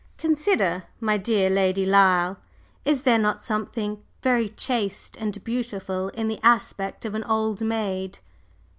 "Consider, my dear Lady Lyle, is there not something very chaste and beautiful in the aspect of an old maid?"